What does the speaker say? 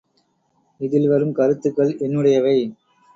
இதில் வரும் கருத்துக்கள் என்னுடையவை.